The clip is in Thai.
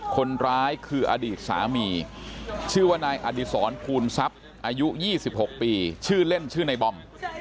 คนร้ายคืออดีตสามีชื่อว่านายอดีศรภูนทรัพย์อายุ๒๖ปีชื่อเล่นชื่อในบอม